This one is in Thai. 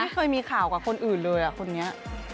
เคยมีข่าวกับคนอื่นเลยคนนี้